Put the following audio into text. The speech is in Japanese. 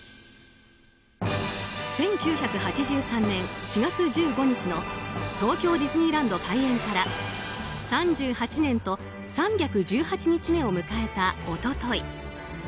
１９８３年４月１５日の東京ディズニーランド開園から３８年と３１８日目を迎えた一昨日。